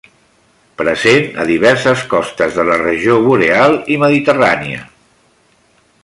Present a diverses costes de la regió Boreal i Mediterrània.